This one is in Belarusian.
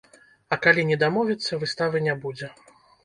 А калі не дамовіцца, выставы не будзе.